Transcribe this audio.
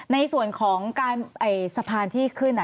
ในส่วนของการสะพานที่ขึ้น